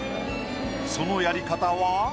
そのやり方は？